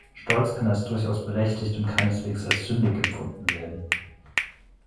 Stolz kann als durchaus berechtigt und keineswegs als sündig empfunden werden.